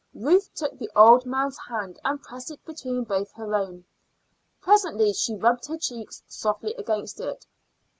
Ruth took the old man's hand and pressed it between both her own. Presently she rubbed her cheeks softly against it.